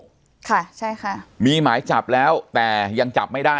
ค่ะใช่ค่ะมีหมายจับแล้วแต่ยังจับไม่ได้